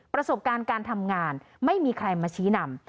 ประสบการณ์การทำงานไม่มีใครมาชี้นำ